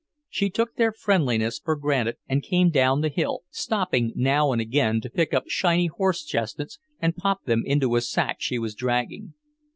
She took their friendliness for granted and came down the hill, stopping now and again to pick up shiny horse chestnuts and pop them into a sack she was dragging.